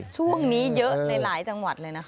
ช่วงนี้เยอะในหลายจังหวัดเลยนะคะ